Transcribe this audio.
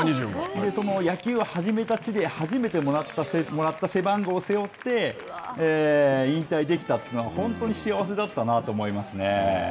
その野球を始めた地で、初めてもらった背番号を背負って、引退できたというのは、本当に幸せだったと思いますね。